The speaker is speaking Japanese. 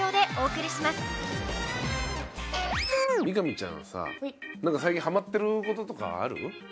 見上ちゃんさ何か最近ハマってることとかある？